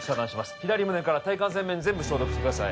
左胸から体幹前面全部消毒してください